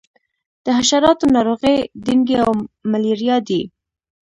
د حشراتو ناروغۍ ډینګي او ملیریا دي.